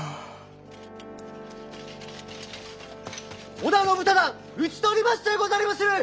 織田信忠討ち取りましてござりまする！